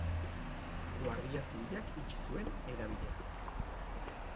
Guardia Zibilak itxi zuen hedabidea.